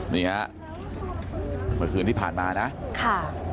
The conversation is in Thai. นี่ฮะเมื่อคืนที่ผ่านมานะค่ะ